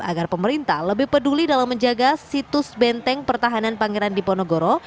agar pemerintah lebih peduli dalam menjaga situs benteng pertahanan pangeran diponegoro